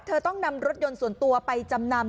เธอต้องนำรถยนต์ส่วนตัวไปจำนำ